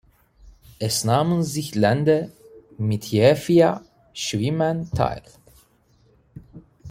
Es nahmen sich Länder mit je vier Schwimmern teil.